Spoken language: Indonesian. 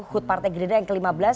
hut partai gerindra yang ke lima belas